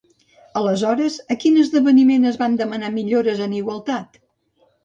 Aleshores, a quin esdeveniment es van demanar millores en igualtat?